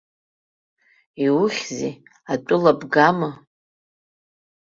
Иухьзеи, атәыла бгама?